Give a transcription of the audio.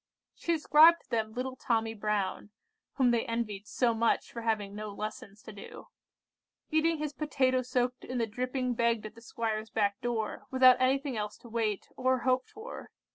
She described to them little Tommy Brown, (whom they envied so much for having no lessons to do,) eating his potatoe soaked in the dripping begged at the squire's back door, without anything else to wait—or hope for.